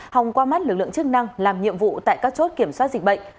hòng qua mắt lực lượng chức năng làm nhiệm vụ tại các chốt kiểm soát dịch bệnh